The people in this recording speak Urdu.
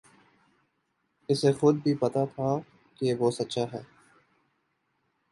اسے خود بھی پتہ تھا کہ وہ سچا ہے